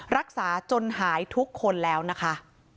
รักษาจนหายทุกคนแล้วนะคะ